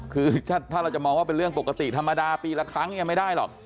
คือถ้าเราจะมองว่าเป็นเรื่องปกติธรรมดาปีละครั้งยังไม่ได้หรอก